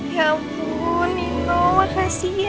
ya ampun itu makasih ya